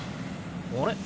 あれ？